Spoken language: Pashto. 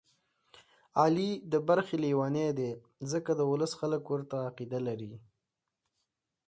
علي د برخې لېونی دی، ځکه د ولس خلک ورته عقیده لري.